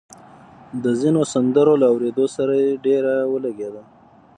د ځينو سندرو له اورېدو سره يې ډېره ولګېده